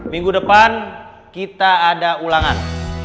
minggu depan kita ada ulangan